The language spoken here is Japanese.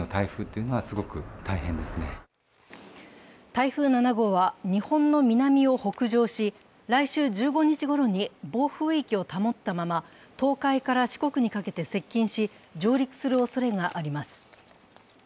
台風７号は日本の南を北上し来週１５日ごろに暴風域を保ったまま東海から四国にかけて接近し、上陸するおそれがあります。